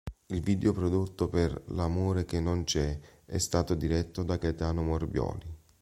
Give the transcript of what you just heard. Il video prodotto per "L'amore che non c'è" è stato diretto da Gaetano Morbioli.